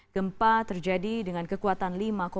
gempa terjadi dengan kekuatan lima delapan